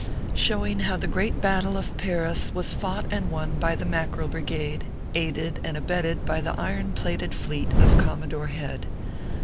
SHOWING HOW THE GREAT BATTLE OF PARIS WAS FOUGHT AND WON BY THE MACKEREL BRIGADE, AIDED AND ABETTED BY THE IRON PLATED FLEET OF COMMODORE HEAD.